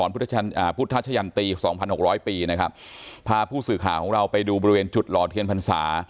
พุทธชะยันตี๒๖๐๐ปีนะครับพาผู้สื่อข่าวของเราไปดูบริเวณจุดหล่อเทียนพรรษา